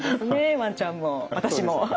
ワンちゃんも私も！